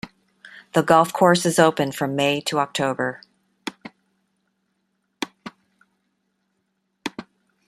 The golf course is open from May to October.